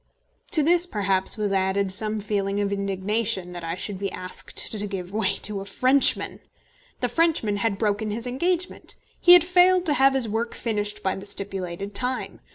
To this perhaps was added some feeling of indignation that I should be asked to give way to a Frenchman. The Frenchman had broken his engagement. He had failed to have his work finished by the stipulated time.